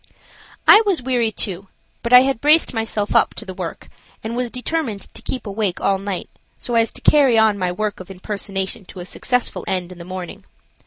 I was weary, too, but I had braced myself up to the work, and was determined to keep awake all night so as to carry on my work of impersonation to a successful end in the morning.